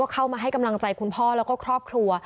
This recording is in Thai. เข้ามาให้กำลังใจคุณพ่อแล้วก็ครอบครัว